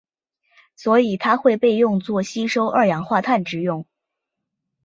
所以它会被用作吸收二氧化碳之用。